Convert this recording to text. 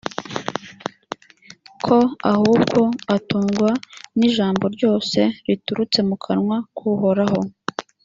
ko ahubwo atungwa n’ijambo ryose riturutse mu kanwa k’uhoraho